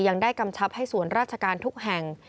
ยังได้กำชับให้ส่วนราชการทุกแห่ง